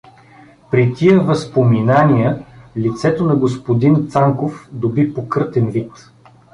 При тия възпоминания лицето на господин Цанков доби покъртен вид.